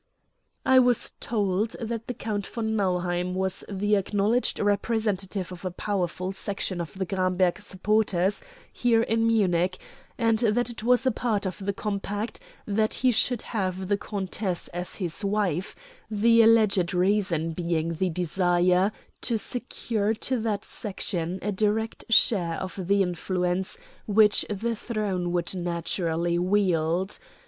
"I was told that the Count von Nauheim was the acknowledged representative of a powerful section of the Gramberg supporters here in Munich, and that it was a part of the compact that he should have the countess as his wife; the alleged reason being the desire to secure to that section a direct share of the influence which the throne would naturally wield.